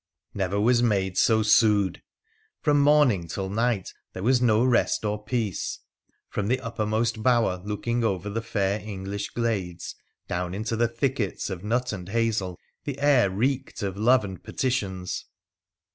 Never was maid so sued ! From morning till night there was no rest or peace. From the uppermost bower looking over the fair English glades, down into the thickets of nut and hazel, the air reeked of love and petitions.